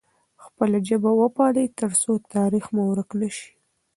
خپله ژبه وپالئ ترڅو تاریخ مو ورک نه سي.